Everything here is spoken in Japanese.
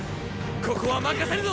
ここは任せるぞ！